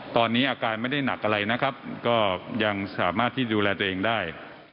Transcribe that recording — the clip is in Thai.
ตอนนี้อาการไม่ได้หนักอะไรนะครับก็ยังสามารถที่ดูแลตัวเองได้